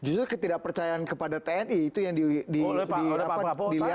justru ketidakpercayaan kepada tni itu yang dilihat oleh pak prabowo